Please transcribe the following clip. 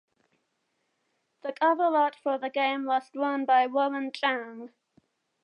The cover art for the game was drawn by Warren Chang.